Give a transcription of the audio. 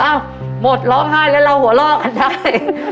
หมดร้องไห้แล้วเราหัวล่อกันได้